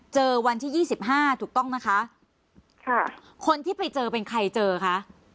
วันที่ยี่สิบห้าถูกต้องนะคะค่ะคนที่ไปเจอเป็นใครเจอคะ